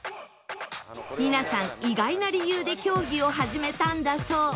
皆さん意外な理由で競技を始めたんだそう